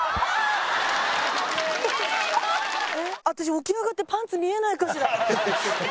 私起き上がってパンツ見えないかしら？